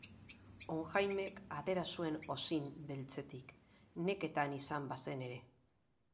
On Jaimek atera zuen osin beltzetik, neketan izan bazen ere.